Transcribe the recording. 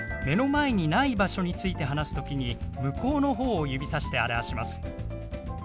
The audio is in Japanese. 目の前にない場所について話す時に向こうの方を指さして表します。